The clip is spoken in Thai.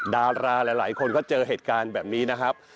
ดาราหลายคนก็เจอเหตุการณ์แบบนี้นะครับ